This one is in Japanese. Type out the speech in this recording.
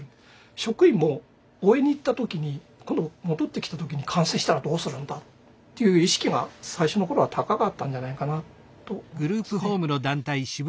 職員も応援に行った時に今度戻ってきた時に感染したらどうするんだっていう意識が最初の頃は高かったんじゃないかなと思いますね。